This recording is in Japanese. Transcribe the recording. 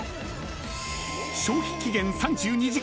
［消費期限３２時間！